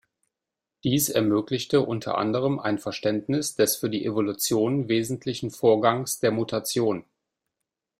Dies ermöglichte unter anderem ein Verständnis des für die Evolution wesentlichen Vorgangs der Mutation.